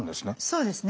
そうですね。